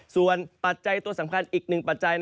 ส่วนปัจจัยตัวสำคัญอีกหนึ่งปัจจัย